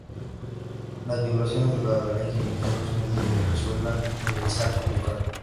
Las vibraciones de la laringe emiten un sonido que resuena en el saco vocal.